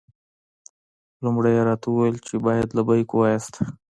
لومړی یې راته وویل چې باید لبیک ووایاست.